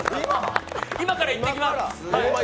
今から行ってきます。